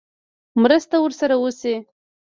مرسته ورسره وشي.